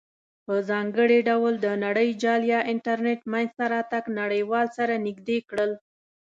په ځانګړې ډول د نړیجال یا انټرنیټ مینځ ته راتګ نړیوال سره نزدې کړل.